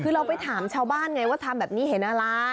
คือเราไปถามชาวบ้านไงว่าทำแบบนี้เห็นอะไร